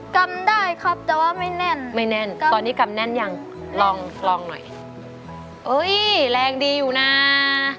กำได้ครับแต่ว่าไม่แน่นไม่แน่นตอนนี้กำแน่นยังลองลองหน่อยเอ้ยแรงดีอยู่น่ะ